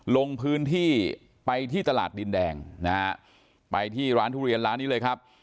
ลงพื้นที่ไปที่ตลาดดินแดงนะฮะไปที่ร้านทุเรียนร้านนี้เลยครับ